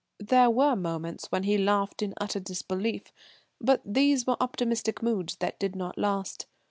There were moments when he laughed in utter disbelief, but these were optimistic moods that did not last.